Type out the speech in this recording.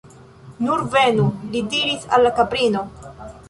Nur venu! li diris al la kaprino.